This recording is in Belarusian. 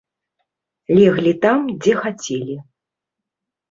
Леглі там, дзе хацелі.